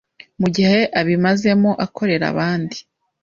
mu gihe abimazemo akorera abandi.